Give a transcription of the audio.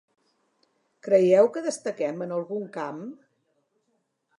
Creieu que destaquem en algun camp?